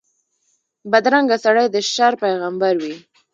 بدرنګه سړی د شر پېغمبر وي